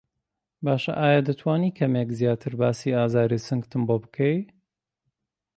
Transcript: باشه ئایا دەتوانی کەمێک زیاتر باسی ئازاری سنگتم بۆ بکەی؟